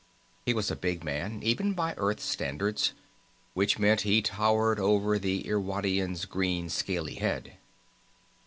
He was a big man even by Earth standards, which meant he towered over the Irwadian's green, scaly head.